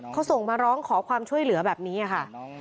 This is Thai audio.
เขาส่งมาร้องขอความช่วยเหลือแบบนี้ค่ะ